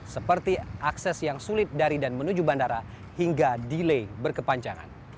seperti akses yang sulit dari dan menuju bandara hingga delay berkepanjangan